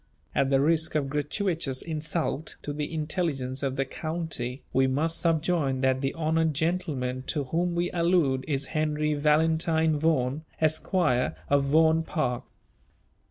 At the risk of gratuitous insult to the intelligence of the county, we must subjoin that the honoured gentleman to whom we allude is Henry Valentine Vaughan, Esquire, of Vaughan Park.